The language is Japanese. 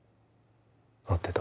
合ってた？